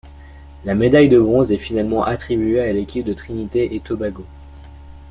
La médaille de bronze est finalement attribuée à l'équipe de Trinité-et-Tobago.